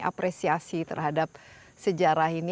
apresiasi terhadap sejarah ini